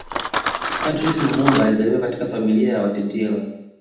Patrice Lumumba alizaliwa katika familia ya Watetela